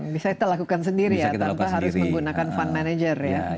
bisa kita lakukan sendiri ya tanpa harus menggunakan fund manager ya